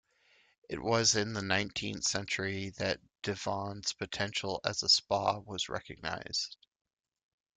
It was in the nineteenth century that Divonne's potential as a Spa was recognised.